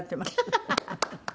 ハハハハ！